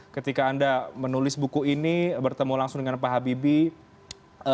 ketika anda menulis buku ini bertemu langsung dengan pak habibie